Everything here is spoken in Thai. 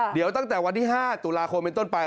เดี๋ยวตั้งแต่วันที่๕ตุลาคมเป็นต้นไป